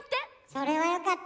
それはよかった。